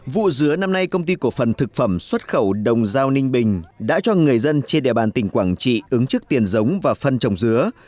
vụ dứa năm nay công ty cổ phần thực phẩm xuất khẩu đồng giao ninh bình đã cho người dân trên địa bàn tỉnh quảng trị ứng trước tiền giống và phân trồng dứa